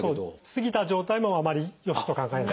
過ぎた状態もあまりよしと考えない。